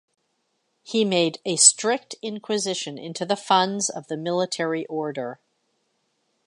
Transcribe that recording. He made a strict inquisition into the funds of the military order.